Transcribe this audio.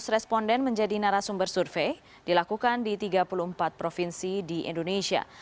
dua belas responden menjadi narasumber survei dilakukan di tiga puluh empat provinsi di indonesia